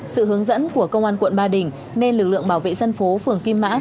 sự hướng dẫn của công an quận ba đình nên lực lượng bảo vệ dân phố phường kim mã